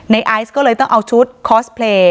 ไอซ์ก็เลยต้องเอาชุดคอสเพลย์